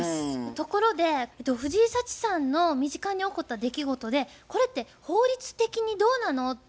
ところで藤井サチさんの身近に起こった出来事で「これって法律的にどうなの？」って思うことってありますか？